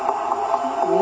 お！